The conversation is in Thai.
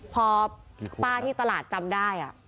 พอป้าที่ตลาดจำได้